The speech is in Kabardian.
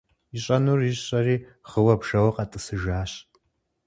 Ищӏэнур ищӏэри гъыуэ-бжэуэ къэтӏысыжащ.